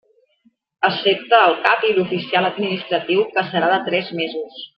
Excepte al cap i l'oficial administratiu que serà tres mesos.